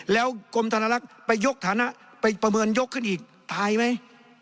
แล้วกรมธนลักษณ์ไปยกฐานะไปประเมินยกขึ้นอีกตายไหม